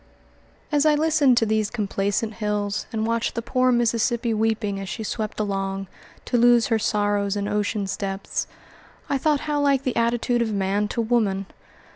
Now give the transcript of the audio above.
As I listened to these complacent hills and watched the poor Mississippi weeping as she swept along, to lose her sorrows in ocean's depths, I thought how like the attitude of man to woman.